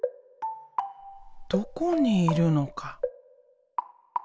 どこにいるのか。